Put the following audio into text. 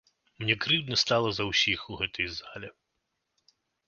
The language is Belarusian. Мне крыўдна стала за ўсіх у гэтай зале.